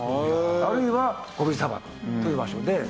あるいはゴビ砂漠という場所で。